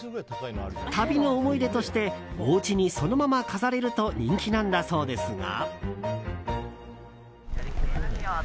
旅の思い出としておうちにそのまま飾れると人気なんだそうですが。